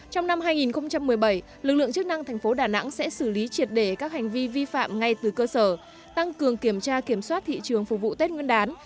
trong năm hai nghìn một mươi bảy lực lượng chức năng thành phố đà nẵng sẽ xử lý triệt để các hành vi vi phạm ngay từ cơ sở tăng cường kiểm tra kiểm soát thị trường phục vụ tết nguyên đán